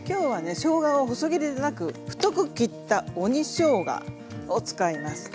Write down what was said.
しょうがを細切りでなく太く切った「鬼しょうが」を使います。